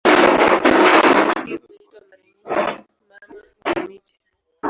Kwa sababu hiyo huitwa mara nyingi "Mama wa miji".